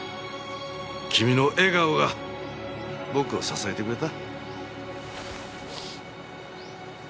君の笑顔が僕を支えてくれた。